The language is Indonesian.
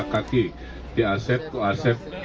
pak gubernur untuk generasi nama asep bagaimana